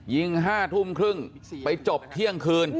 ยิง๕ทุ่มครึ่งไปจบเที่ยงคืน